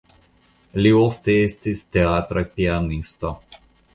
Li ofte estis teatra pianisto.